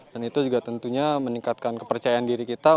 dan itu juga tentunya meningkatkan kepercayaan diri kita